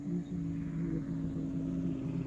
যাদের না থাকার কথা বলছি তারা আসলেই নেই।